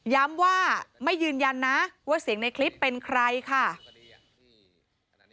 ว่าไม่ยืนยันนะว่าเสียงในคลิปเป็นใครค่ะ